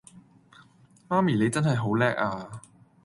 媽咪你真係好叻呀